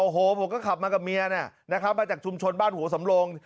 โอ้โหผมก็ขับมากับเมียนะครับมาจากชุมชนบ้านหัวสำรง